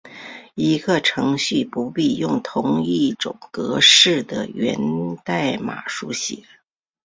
一个程序不必用同一种格式的源代码书写。